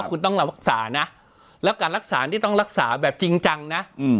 คุณต้องรักษานะแล้วการรักษานี่ต้องรักษาแบบจริงจังนะ